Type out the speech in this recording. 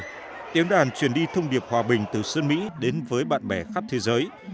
sau đó tiếng đàn chuyển đi thông điệp hòa bình từ sơn mỹ đến với bạn bè khắp thế giới